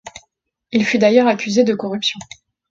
Il fut d'ailleurs accusé de corruption.